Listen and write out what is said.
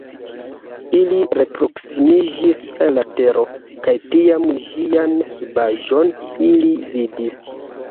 Ili reproksimiĝis al la tero, kaj tiam ĝian subaĵon ili vidis.